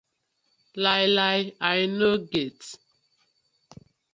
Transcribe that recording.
Lai lai I no get.